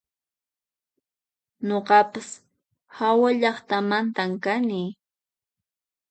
Nuqapas hawallaqtamantan kani